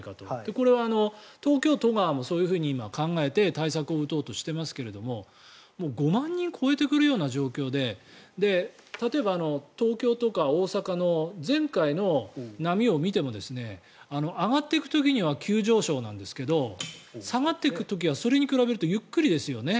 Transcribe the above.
これは東京都がそういうふうに考えて今、対策を打とうとしていますけれど５万人を超えてくるような状況で例えば、東京とか大阪の前回の波を見ても上がっていく時には急上昇なんですけど下がっていく時はそれに比べるとゆっくりですよね。